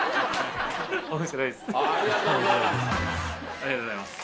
ありがとうございます。